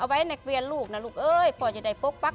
เอาไว้ในเกวียนลูกน่ะลูกเอ้ยพอจะได้ป๊กปั๊ก